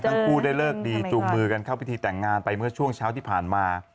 ทั้งคู่ได้เลิกดีจูงมือกันเข้าพิธีแต่งงานไปเมื่อช่วงเช้าที่ผ่านมา